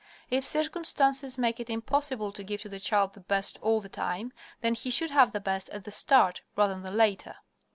If circumstances make it impossible to give to the child the best all the time, then he should have the best at the start rather than later.